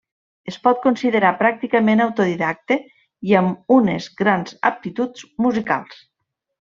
Es pot considerar pràcticament autodidacte i amb unes grans aptituds musicals.